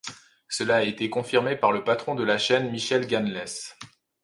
Cela a été confirmé par le patron de la chaîne Michele Ganeless.